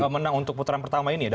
menang untuk putaran pertama ini ya